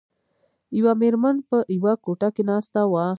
یوه میرمن په یوه کوټه کې ناسته وه.